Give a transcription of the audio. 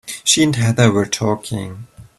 She and Heather were talking.